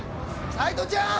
斉藤ちゃん？